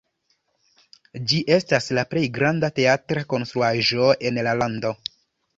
Ĝi estas la plej granda teatra konstruaĵo en la lando.